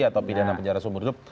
atau pidana penjara seumur hidup